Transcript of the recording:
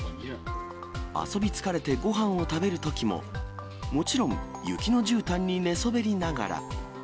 遊び疲れてごはんを食べるときも、もちろん、雪のじゅうたんに寝そべりながら。